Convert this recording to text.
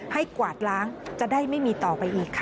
กวาดล้างจะได้ไม่มีต่อไปอีกค่ะ